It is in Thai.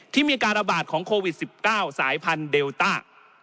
ที่มีการระบาดของโควิด๑๙สายพันธุเดลต้า